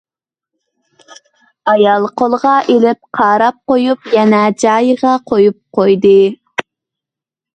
ئايال قولىغا ئېلىپ قاراپ قويۇپ، يەنە جايىغا قويۇپ قويدى.